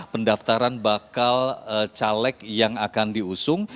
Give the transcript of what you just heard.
pendaftaran bakal caleg yang akan diusung